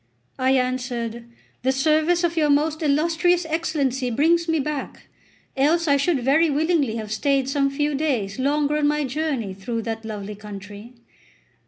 I answered: "The service of your most illustrious Excellency brings me back, else I should very willingly have stayed some few days longer on my journey through that lovely country."